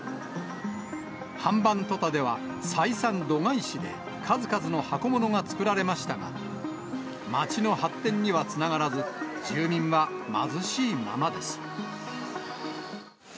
ハンバントタでは採算度外視で数々の箱ものが作られましたが、街の発展にはつながらず、住民は貧しいままです。